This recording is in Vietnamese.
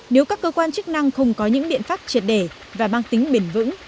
nếu các cơ quan chức năng không có những biện pháp triệt để và mang tính bền vững